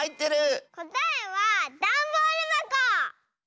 こたえはだんボールばこ！